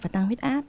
và tăng huyết áp